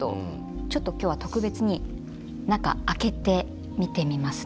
ちょっと今日は特別に中開けて見てみますね。